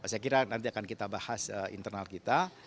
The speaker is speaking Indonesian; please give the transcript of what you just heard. saya kira nanti akan kita bahas internal kita